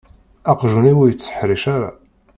Aqjun-iw ur yettkerric ara.